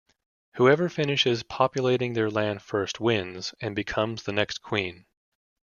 Whoever finishes populating their land first wins and becomes the next Queen.